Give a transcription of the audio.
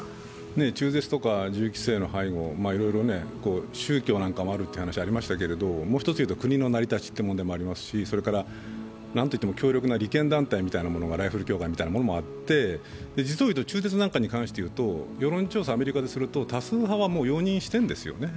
中絶とか銃規制の背後、いろいろ宗教なんかもあるという話がありましたけれども、もう１つ言うと、国の成り立ちということがありますしそれからなんといっても強力な利権団体、ライフル協会みたいなものもあって実を言うと、中絶なんかについて言うと、世論調査では多数派は容認しているんですよね。